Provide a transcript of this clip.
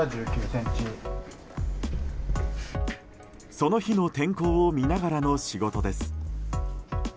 その日の天候を見ながらの仕事です。